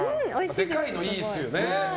でかいのいいですよね。